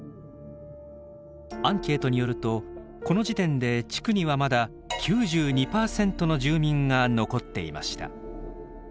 アンケートによるとこの時点で地区にはまだ９２％の住民が残っていました。